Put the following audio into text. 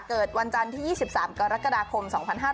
เกิดวันจันทร์ที่๒๓กรกฎาคม๒๕๕๙